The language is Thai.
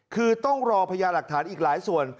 คือต้องรอพญาหลักฐานอีกหลายส่วน